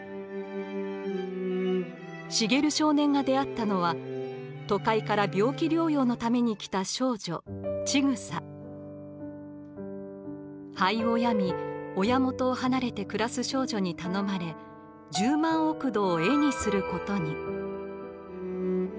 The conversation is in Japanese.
茂少年が出会ったのは都会から病気療養のために来た少女肺を病み親元を離れて暮らす少女に頼まれ十万億土を絵にすることに。